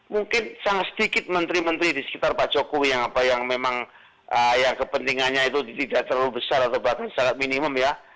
mungkin sangat sedikit menteri menteri di sekitar pak jokowi yang memang ya kepentingannya itu tidak terlalu besar atau bahkan sangat minimum ya